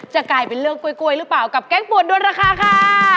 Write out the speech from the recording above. จะกลายเป็นเรื่องกล้วยหรือเปล่ากับแกงป่วนด้วนราคาค่ะ